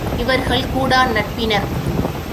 இவர்கள் கூடா நட்பினர்.